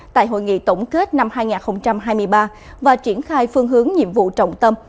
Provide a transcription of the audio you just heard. tại hội nghị tổng kết năm hai nghìn hai mươi ba và triển khai phương hướng nhiệm vụ trọng tâm